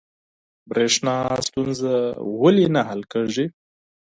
بریښنا ستونزه ولې نه حل کیږي؟